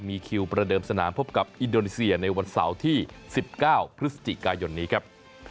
มีคิวประเดิมสนามพบกับอินโดนีเซียในวันเสาร์ที่๑๙พฤศจิกายนนี้ครับ